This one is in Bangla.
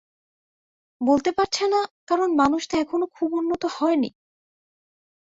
বলতে পারছে না, কারণ মানুষ তো এখনো খুব উন্নত হয় নি।